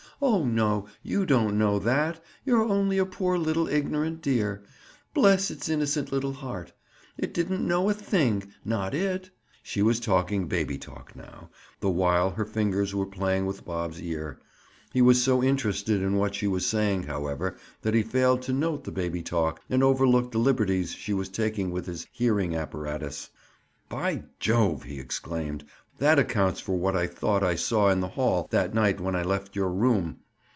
Oh, no, you don't know that. You're only a poor little ignorant dear. Bless its innocent little heart! It didn't know a thing. Not it!" She was talking baby talk now, the while her fingers were playing with Bob's ear. He was so interested in what she was saying, however, that he failed to note the baby talk and overlooked the liberties she was taking with his hearing apparatus. "By jove!" he exclaimed. "That accounts for what I thought I saw in the hall that night when I left your room.